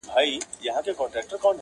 o باد د غرونو غږ راوړي تل,